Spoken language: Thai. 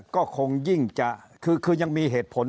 ก็คงยิ่งจะคือยังมีเหตุผล